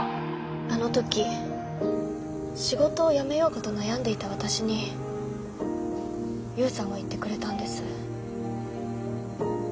あの時仕事を辞めようかと悩んでいた私に勇さんは言ってくれたんです。